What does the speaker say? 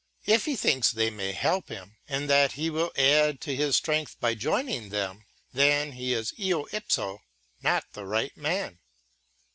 If he thinks they may help him, and that he will add to his strength by joining them, then he is eo ipso not the right man.